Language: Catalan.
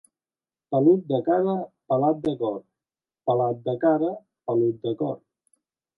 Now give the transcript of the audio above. Pelut de cara, pelat de cor; pelat de cara, pelut de cor.